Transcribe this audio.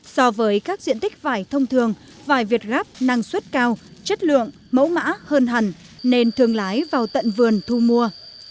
so với các diện tích vải thông thường vải việt gáp năng suất cao chất lượng mẫu mã hơn hẳn nên thương lái vào tận vườn thu mua